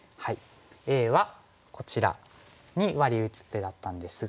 Ａはこちらにワリ打つ手だったんですが。